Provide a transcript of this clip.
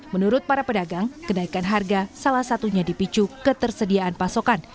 menurut para pedagang kenaikan harga salah satunya dipicu ketersediaan pasokan